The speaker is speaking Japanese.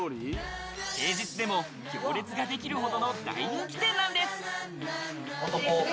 平日でも行列ができるほどの大人気店なんです。